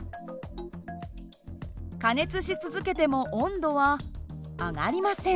加熱し続けても温度は上がりません。